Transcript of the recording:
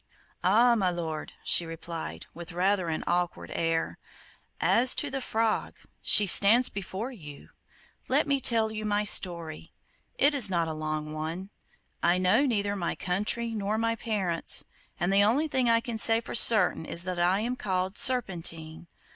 'Ah, my lord,' she replied, with rather an awkward air, 'as to the Frog, she stands before you. Let me tell you my story; it is not a long one. I know neither my country nor my parents, and the only thing I can say for certain is that I am called Serpentine.